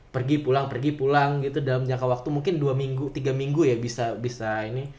pergi pulang pergi pulang gitu dalam jangka waktu mungkin dua minggu tiga minggu ya bisa ini